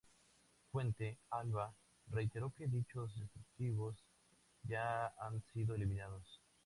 Fuente-Alba reiteró que dichos instructivos ya han sido eliminados.